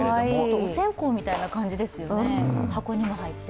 お線香みたいな感じですよね、箱にも入って。